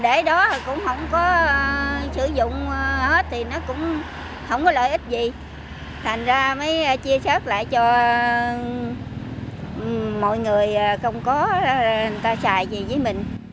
để góp phần đưa nước ngọt đến cho bà con nghèo sử dụng